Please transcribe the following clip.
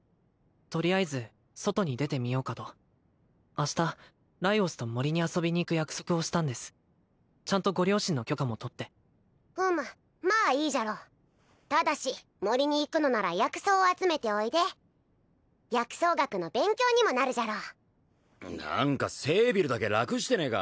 とりあえず外に出てみようかと明日ライオスと森に遊びに行く約束をしたんですちゃんとご両親の許可も取ってふむまあいいじゃろただし森に行くのなら薬草を集めておいで薬草学の勉強にもなるじゃろ何かセービルだけ楽してねえか？